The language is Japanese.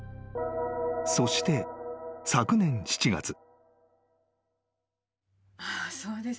［そして昨年７月］